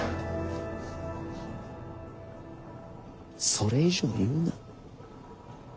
それ以上言うな。